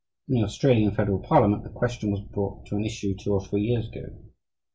In the Australian Federal Parliament the question was brought to an issue two or three years ago.